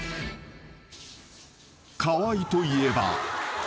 ［河井といえば］